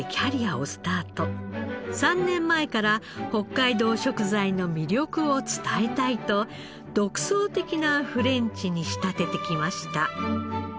３年前から北海道食材の魅力を伝えたいと独創的なフレンチに仕立ててきました。